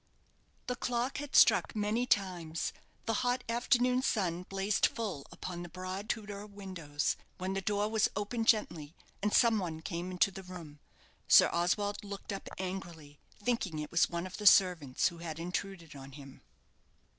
The clock had struck many times; the hot afternoon sun blazed full upon the broad Tudor windows, when the door was opened gently, and some one came into the room. Sir Oswald looked up angrily, thinking it was one of the servants who had intruded on him.